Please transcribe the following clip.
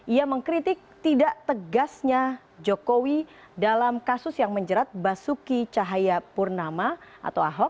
ia mengkritik tidak tegasnya jokowi dalam kasus yang menjerat basuki cahaya purnamu